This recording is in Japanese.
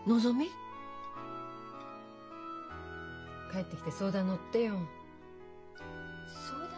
帰ってきて相談乗ってよ。相談？